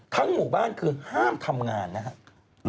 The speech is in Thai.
หมู่บ้านคือห้ามทำงานนะครับ